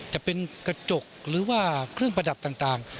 จะเป็นกระจกหรือว่าเครื่องประดับต่าง